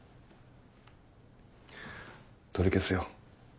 取り消すよ。